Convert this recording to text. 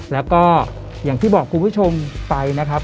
แล้วก็อย่างที่บอกคุณผู้ชมไปนะครับ